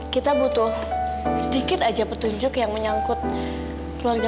kita butuh sedikit aja petunjuk yang menyangkut keluarga